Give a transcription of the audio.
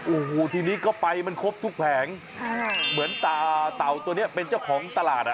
อู้หูทีนี้ก็ไปมันครบทุกแผงเหมือนเต่าตัวนี้เป็นเจ้าของตลาด